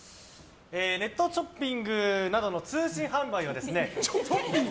ネットチョッピングなどの通信販売は。